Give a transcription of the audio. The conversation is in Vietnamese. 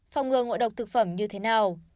phòng ngừa ngộ độc thực phẩm như thế nào